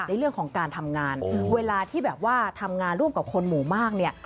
ในเรื่องของการทำงานเวลาที่แบบว่าทำงานร่วมกับคนหมู่มากเนี่ย